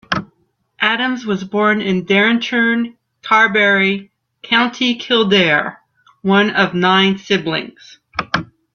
Adams was born in Derrinturn, Carbury, County Kildare, one of nine siblings.